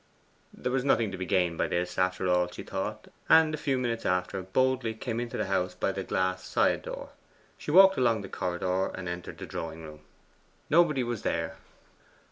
There was nothing gained by this, after all, she thought; and a few minutes after boldly came into the house by the glass side door. She walked along the corridor, and entered the drawing room. Nobody was there.